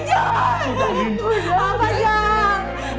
sudah min sudah min